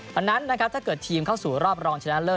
เพราะฉะนั้นนะครับถ้าเกิดทีมเข้าสู่รอบรองชนะเลิศ